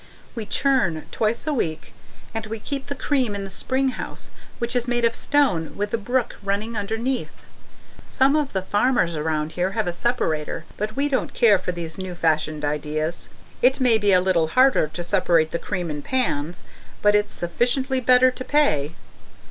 We churn twice a week; and we keep the cream in the spring house which is made of stone with the brook running underneath. Some of the farmers around here have a separator, but we don't care for these new fashioned ideas. It may be a little harder to separate the cream in pans, but it's sufficiently better to pay.